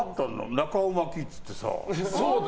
中尾巻きって言ってさ。